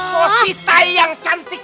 posita yang cantik